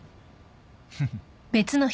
フフ。